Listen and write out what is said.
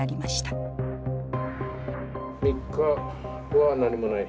３日は何もない。